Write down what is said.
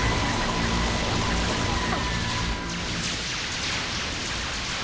あっ。